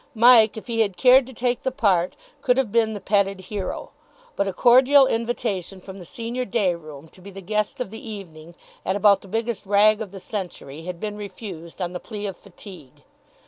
Mike, if he had cared to take the part, could have been the Petted Hero. But a cordial invitation from the senior day room to be the guest of the evening at about the biggest rag of the century had been refused on the plea of fatigue.